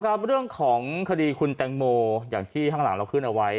ครับเรื่องของคดีคุณแตงโมอย่างที่ข้างหลังเราขึ้นเอาไว้